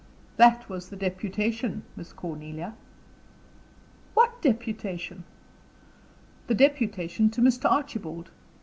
"That was the deputation, Miss Cornelia." "What deputation?" "The deputation to Mr. Archibald.